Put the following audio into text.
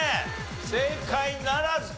正解ならずと。